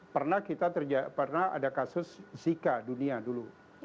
pernah kita terjadi pernah ada kasus zika dunia dulu